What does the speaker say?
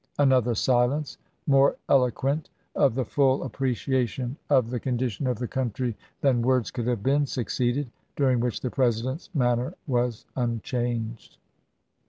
Another silence, more eloquent of the full appreciation of the condi THE CAPTURE OF JEFFERSON DAVIS 263 tion of the country than words could have been, succeeded, during which the President's manner was unchanged.